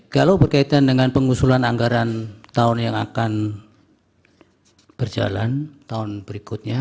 kalau berkaitan dengan pengusulan anggaran tahun yang akan berjalan tahun berikutnya